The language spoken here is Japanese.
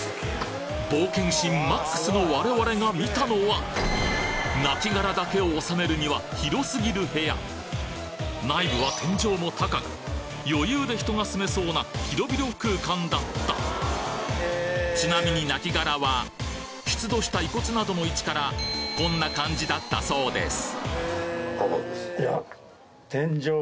冒険心ＭＡＸの我々が見たのは亡骸だけをおさめるには広すぎる部屋内部は天井も高く余裕で人が住めそうな広々空間だったちなみに亡骸は出土した遺骨などの位置からこんな感じだったそうです